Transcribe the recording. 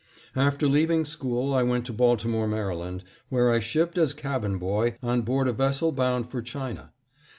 After leaving school I went to Baltimore, Md., where I shipped as cabin boy, on board a vessel bound for China.